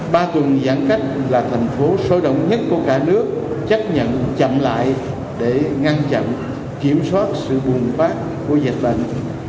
ba tuần giãn cách là thành phố sôi động nhất của cả nước chấp nhận chậm lại để ngăn chặn kiểm soát sự bùng phát của dịch bệnh